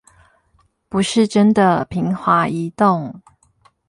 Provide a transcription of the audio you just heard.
不是真的平滑移動